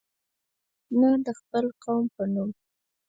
نه د خپل قوم په نوم.